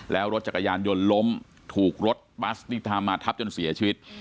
แล้วรถจักรยานยนต์ล้มถูกรถบัสที่ทำมาทับจนเสียชีวิต